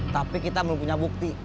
tapi kita belum punya bukti